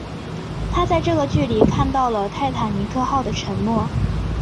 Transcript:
他在这个距离看到了泰坦尼克号的沉没。